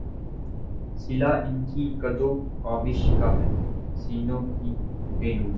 صلہ ان کی کد و کاوش کا ہے سینوں کی بے نوری